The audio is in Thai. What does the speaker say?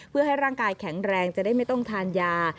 เพื่อให้ร่างกายแข็งแรงจะได้ไม่ต้องทานยา